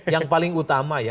yang paling utama ya